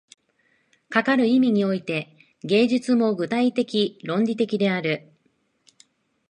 かかる意味において、芸術も具体的論理的である。